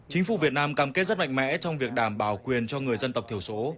chính phủ việt nam cam kết rất mạnh mẽ trong việc đảm bảo quyền cho người dân tộc thiểu số